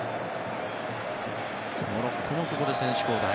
モロッコもここで選手交代。